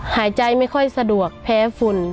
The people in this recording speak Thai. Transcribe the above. หายใจไม่ค่อยสะดวกแพ้ฝุ่น